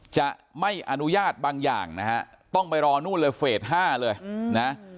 จะไม่อนุญาตบางอย่างนะฮะต้องไปรอนู่นเลยเฟส๕เลยนะ